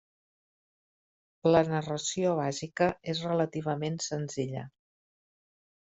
La narració bàsica és relativament senzilla.